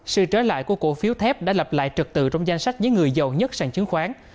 sự trở lại của cổ phiếu thép đã lập lại trật tự trong danh sách những người giàu nhất sàn chứng khoán